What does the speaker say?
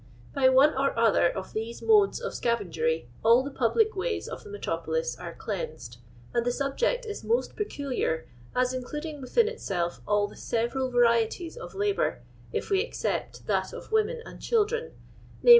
By one or other of these modes of scavenger}' all the public ways of the metropolis are cU^nsed ; and the subject is most peculiar, as including within itself all the several varieties of labour, if we ex cept that of women and children — viz.